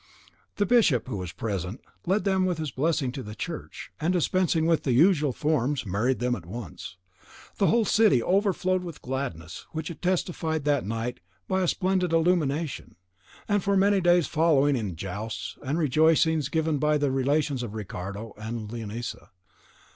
The bishop, who was present, led them with his blessing to the church, and dispensing with the usual forms, married them at once. The whole city overflowed with gladness, which it testified that night by a splendid illumination, and for many days following in jousts and rejoicings given by the relations of Ricardo and Leonisa.